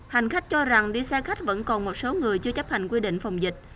hành khách cho rằng đi xe khách vẫn còn một số người chưa chấp hành quy định phòng dịch